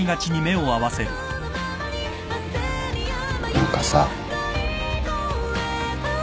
何かさ。